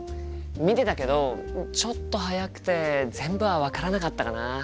見てたけどちょっと速くて全部は分からなかったかな。